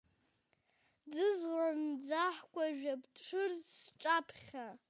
Ӡызлан-ӡаҳкәажә, бцәырҵ сҿаԥхьа!